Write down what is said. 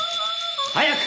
早く！